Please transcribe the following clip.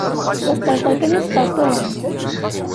D asṭerṭer kan i tesṭerṭirem.